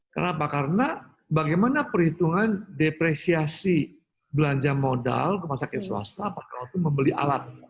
kenapa karena bagaimana perhitungan depresiasi belanja modal rumah sakit swasta pada waktu membeli alat